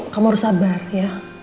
kamu harus sabar ya